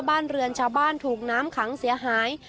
บ้านเรือนชาวบ้านถูกน้ำขังเสียหาย